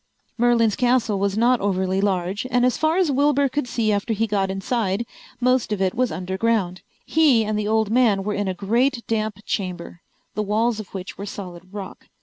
Merlin's castle was not overly large, and as far as Wilbur could see after he got inside, most of it was under ground. He and the old man were in a great damp chamber, the walls of which were solid rock.